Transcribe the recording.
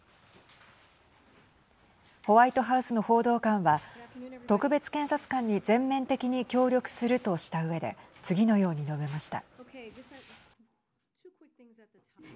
ホワイトハウスの報道官は特別検察官に全面的に協力するとしたうえで次のように述べました。